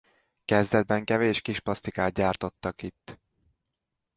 Kezdetben kevés kisplasztikát gyártottak itt.